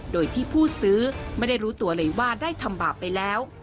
โดยที่ผู้ซื้อไม่ได้รู้ตัวเลยว่าได้ทำบาปไปแล้ว